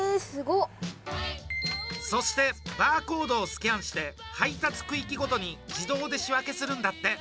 そしてバーコードをスキャンして配達区域ごとに自動で仕分けするんだって。